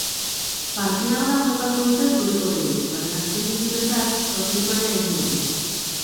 Partida ona jokatu dute zuri-gorriek, baina azken minutuetan sofritu ere egin dute.